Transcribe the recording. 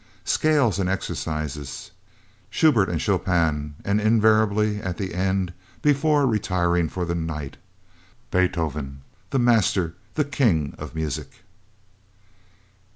Scales and exercises, Schubert and Chopin, and invariably at the end before retiring for the night Beethoven, the Master, the King of Music.